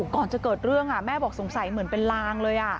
ก่อนจะเกิดเรื่องแม่บอกสงสัยเหมือนเป็นลางเลย